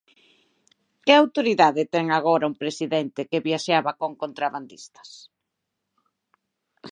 Que autoridade ten agora un presidente que viaxaba con contrabandistas?